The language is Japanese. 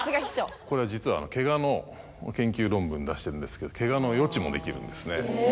これは実はケガの研究論文出してるんですけどケガの予知もできるんですね。